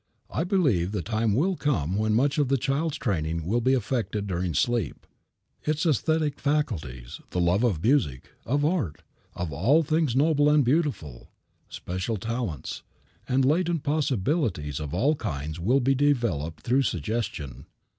I believe the time will come when much of the child's training will be effected during sleep. Its æsthetic faculties, the love of music, of art, of all things noble and beautiful, special talents, and latent possibilities of all kinds will be developed through suggestion.